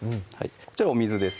こちらお水です